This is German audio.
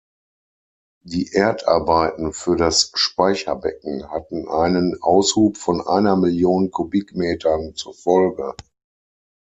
Die Erdarbeiten für das Speicherbecken hatten einen Aushub von einer Million Kubikmetern zur Folge.